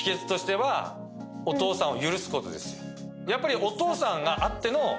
やっぱり。